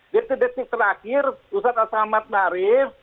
detik detik terakhir ustadz abdul somad naif